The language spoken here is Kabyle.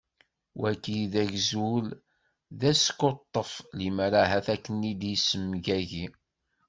Wagi d agzul d askuṭṭef, limer ahat ad ken-id-yessemgagi.